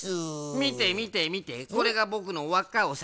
みてみてみてこれがぼくのわっカオさん。